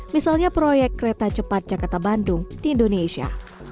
misalnya proyek kereta cepat jakarta bandung di indonesia